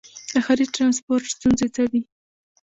د ښاري ټرانسپورټ ستونزې څه دي؟